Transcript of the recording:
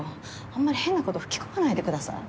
あんまり変な事を吹き込まないでください。